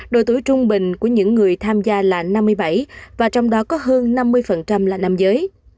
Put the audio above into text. độ tuổi trung bình của những người tham gia là năm mươi bảy và trong đó có hơn năm mươi là nam giới